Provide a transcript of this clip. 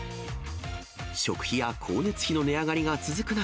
食費や光熱費の値上がりが続く中、